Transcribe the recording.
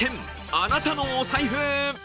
あなたのお財布。